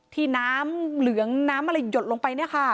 ที่น้ำเหลืองน้ำอะไรหยดลงไปเนี่ยค่ะ